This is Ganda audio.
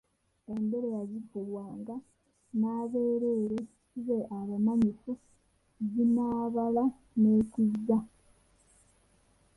Endere yazifuuwanga n'abelere be abamanyifu Zinaabala ne Kizza.